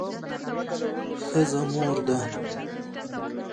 ښځه مور ده